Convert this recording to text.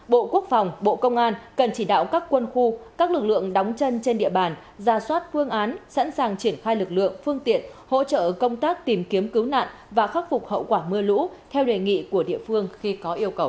bộ quốc phòng bộ công an cần chỉ đạo các quân khu các lực lượng đóng chân trên địa bàn ra soát phương án sẵn sàng triển khai lực lượng phương tiện hỗ trợ công tác tìm kiếm cứu nạn và khắc phục hậu quả mưa lũ theo đề nghị của địa phương khi có yêu cầu